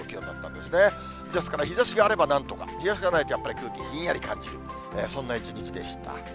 ですから、日ざしがあればなんとか、日ざしがないと、やっぱり空気ひんやり感じる、そんな一日でした。